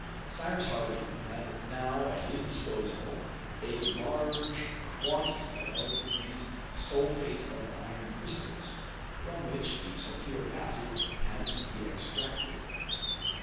Cyrus Harding had now at his disposal a large quantity of these sulphate of iron crystals, from which the sulphuric acid had to be extracted.